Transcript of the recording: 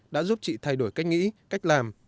đã giúp chị thay đổi cách nghĩ cách làm